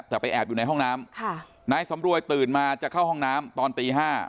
แต่ไปแอบอยู่ในห้องน้ำค่ะนายสำรวยตื่นมาจะเข้าห้องน้ำตอนตีห้า